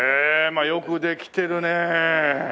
まあよくできてるねえ。